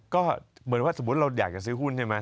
ก็เหมือนว่าสมมุติเราอยากจะซื้อหุ้นใช่ไหม